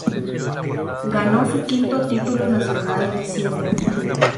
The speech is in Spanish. Ganó su quinto título nacional en diciembre.